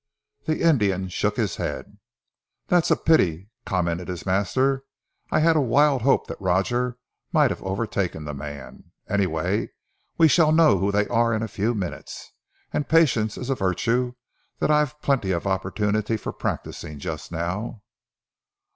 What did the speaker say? The Indian shook his head. "That's a pity," commented his master. "I had a wild hope that Roger might have overtaken the man. Anyway we shall know who they are in a few minutes, and patience is a virtue that I've plenty of opportunity for practising just now."